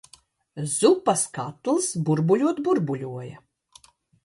Zupas katls burbuļot burbuļoja!